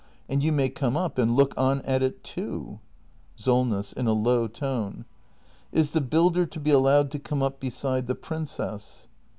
And you may come up and look on at it, too. SOLNESS. [In a low tone.] Is the builder to be allowed to come up beside the princess